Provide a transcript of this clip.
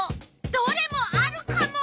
どれもあるカモ！